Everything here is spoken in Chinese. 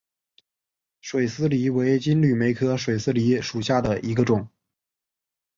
水丝梨为金缕梅科水丝梨属下的一个种。